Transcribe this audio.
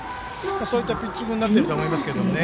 そういったピッチングになっていると思いますけどね。